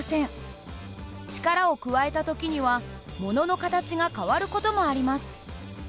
力を加えた時にはものの形が変わる事もあります。